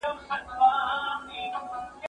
زه کولای سم واښه راوړم.